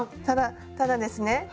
ただただですね